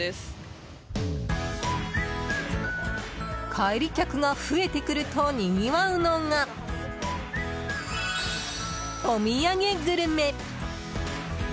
帰り客が増えてくるとにぎわうのが、お土産グルメ。